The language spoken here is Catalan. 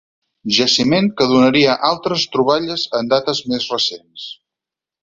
Jaciment que donaria altres troballes en dates més recents.